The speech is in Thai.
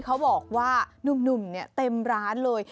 เขาบอกว่านุ่มเต็มร้านเลย